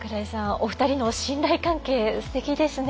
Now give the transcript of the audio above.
お二人の信頼関係すてきですね。